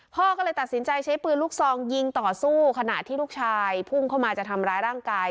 พ่อก็เลยตัดสินใจใช้ปืนลูกซองยิงต่อสู้ขณะที่ลูกชายพุ่งเข้ามาจะทำร้ายร่างกาย